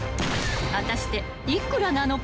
［果たして幾らなのか］